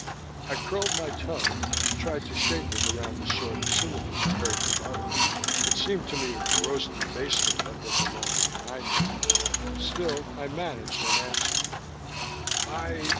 I curled my tongue, tried to shape it around the sort of syllables I heard them uttering; it seemed to me a gross debasement of the Vallonian I knew. Still I managed an answer: "I